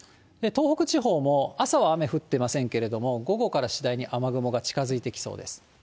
東北地方も、朝は雨降っていませんけれども、午後から次第に雨雲が近づいてきそうです。